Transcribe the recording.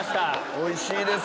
おいしです。